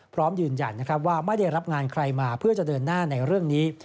พร้อมยืนยันว่าไม่ได้รับงานใครมาเพื่อจะเดินหน้าในเรื่องนี้